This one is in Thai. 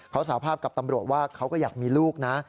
เขาสาภาพกับตำรวจว่าเขาก็อยากมีลูกนะ